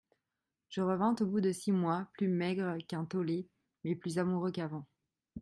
Je revins au bout de six mois, plus maigre qu'un tolet, mais plus amoureux qu'avant.